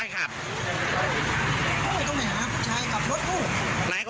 เป็นไหนตรงไหนครับ